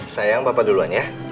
sayang papa duluan ya